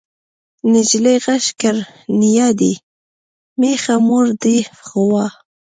نجلۍ غږ کړ نيا دې مېښه مور دې غوا.